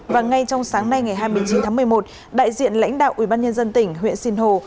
và ngay trong sáng nay ngày hai mươi chín tháng một mươi một đại diện lãnh đạo ubnd tỉnh huyện sinh hồ